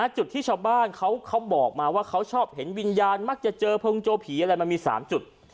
จุดที่ชาวบ้านเขาบอกมาว่าเขาชอบเห็นวิญญาณมักจะเจอเพิงโจผีอะไรมันมี๓จุด